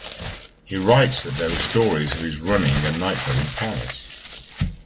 He writes that there were stories of his running a nightclub in Paris.